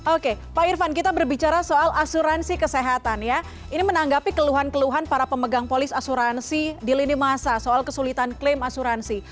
oke pak irfan kita berbicara soal asuransi kesehatan ya ini menanggapi keluhan keluhan para pemegang polis asuransi di lini masa soal kesulitan klaim asuransi